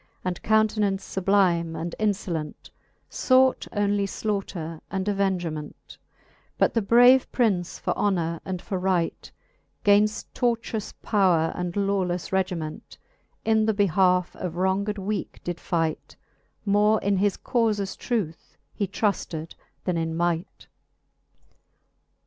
And countenance fublime and infolent, Sought onely flaughter and avengement : But the brave Prince for honour and for right, Gainft tortious powre and lawleffe regiment, In the behalfe of wronged weake did fight : More in his caufes truth he trufted then in might.